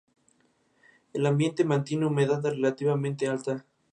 El ambiente mantiene humedad relativamente alta.